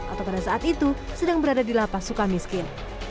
atau pada saat itu sedang berada di lapas suka miskin